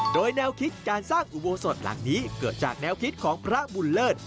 โดยแนวคิดการสร้างอุโบสถหลังนี้เกิดจากแนวคิดของพระบุญเลิศ